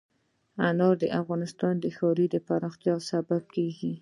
انار د افغانستان د ښاري پراختیا سبب کېږي.